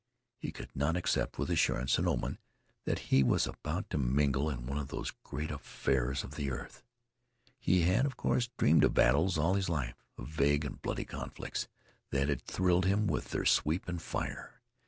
He could not accept with assurance an omen that he was about to mingle in one of those great affairs of the earth. He had, of course, dreamed of battles all his life of vague and bloody conflicts that had thrilled him with their sweep and fire.